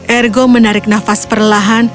ergo menarik nafas perlahan